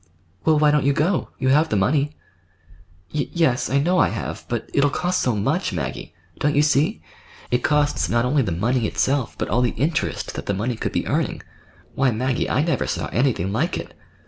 "Well, why don't you go? You have the money." "Y yes, I know I have; but it'll cost so much, Maggie. Don't you see? It costs not only the money itself, but all the interest that the money could be earning. Why, Maggie, I never saw anything like it."